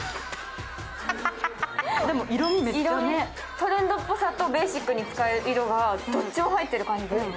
トレンドっぽさとベーシックに使える色がどっちも入ってる感じですね。